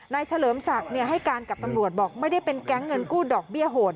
เฉลิมศักดิ์ให้การกับตำรวจบอกไม่ได้เป็นแก๊งเงินกู้ดอกเบี้ยโหด